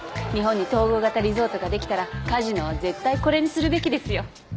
日本に統合型リゾートができたらカジノは絶対これにするべきですよ。